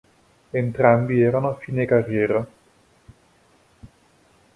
Entrambi erano a fine carriera.